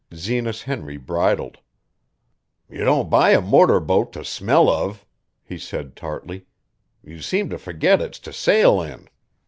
Zenas Henry bridled. "You don't buy a motor boat to smell of," he said tartly. "You seem to forget it's to sail in."